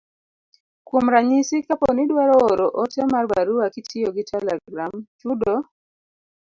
Kuom ranyisi, kapo ni idwaro oro ote mar barua kitiyo gi telegram, chudo